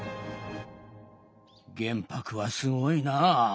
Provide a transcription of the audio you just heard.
玄白はすごいなあ。